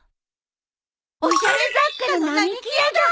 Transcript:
おしゃれ雑貨並木屋だ！